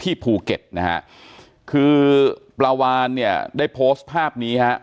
ภูเก็ตนะฮะคือปลาวานเนี่ยได้โพสต์ภาพนี้ฮะ